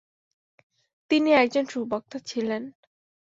তিনি একজন সুবক্তা ছিলেন।